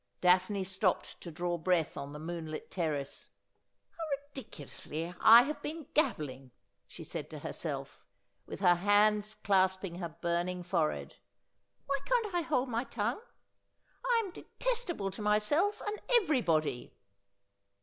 Daphne stopped to draw breath on the moonlit terrace. ' How ridiculously I have been gabbling !' she said to her self, with her hands clasping her burnirg forehead. Why can't I hold my tongue ? I am detestable to myself and every body.'